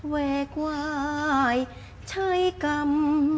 แวกวายใช้กรรม